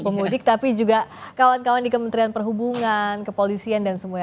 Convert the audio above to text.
pemudik tapi juga kawan kawan di kementerian perhubungan kepolisian dan semuanya